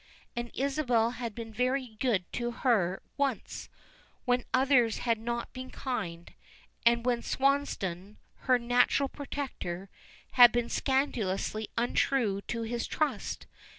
And Isabel had been very good to her once when others had not been kind, and when Swansdown, her natural protector, had been scandalously untrue to his trust.